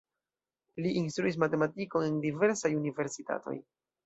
Li instruis matematikon en diversaj universitatoj.